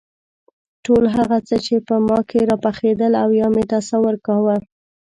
ټول هغه څه چې په ما کې راپخېدل او یا مې تصور کاوه.